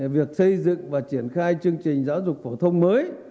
việc xây dựng và triển khai chương trình giáo dục phổ thông mới